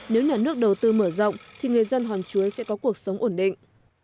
nếu nhà nước đầu tư mở rộng thì người dân hòn chuối sẽ có cuộc sống ổn định